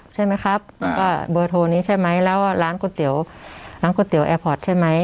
ใช่ไหมครับแล้วก็เบอร์โทรนี้ใช่ไหมแล้วร้านก๋วยเตี๋ยวร้านก๋วยเตี๋แอร์พอร์ตใช่ไหม